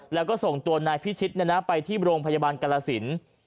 แล้วก็ส่งตัวนายพิชิตไปที่โรงพยาบาลกรสิน